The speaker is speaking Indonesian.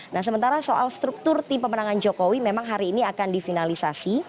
nah sementara soal struktur tim pemenangan jokowi memang hari ini akan difinalisasi